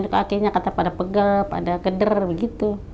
kakinya pada pegep pada keder gitu